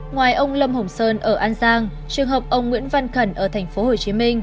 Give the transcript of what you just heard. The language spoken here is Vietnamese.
ngoài ông lâm hồng sơn ở an giang trường hợp ông nguyễn văn khẩn ở tp hcm